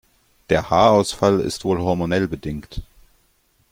Der Haarausfall ist wohl hormonell bedingt.